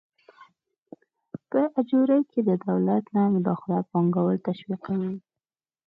په اجورې کې د دولت نه مداخله پانګوال تشویقوي.